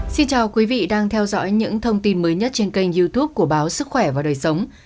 xin chào quý vị đang theo dõi những thông tin mới nhất trên kênh youtube của báo sức khỏe và đời sống